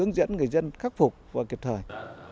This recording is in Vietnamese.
hướng dẫn người dân khắc phục và kịp thời